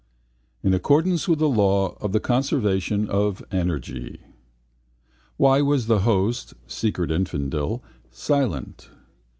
In accordance with the law of the conservation of energy. Why was the host (secret infidel) silent?